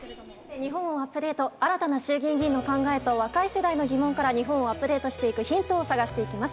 日本をアップデート、新たな衆議院議員の考えと若い世代の疑問から日本をアップデートしていくヒントを探していきます。